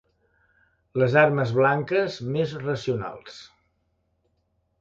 Les armes blanques més racionals.